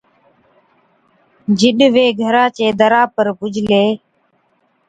جِڏ وي گھرا چي دَرا پر پُجلي